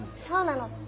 そうなの。